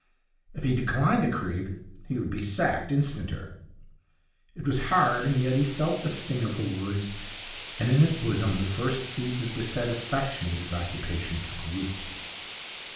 If he declined to creep, he would be sacked instanter. It was hard, and yet he felt the sting of her words, and in his bosom the first seeds of dissatisfaction with his occupation took root.